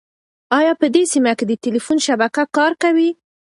ایا په دې سیمه کې د تېلیفون شبکه کار کوي؟